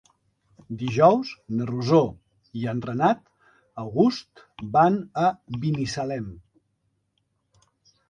Dijous na Rosó i en Renat August van a Binissalem.